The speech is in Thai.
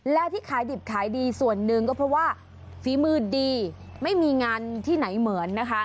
แล้วที่ขายดิบขายดีส่วนหนึ่งก็เพราะว่าฝีมือดีไม่มีงานที่ไหนเหมือนนะคะ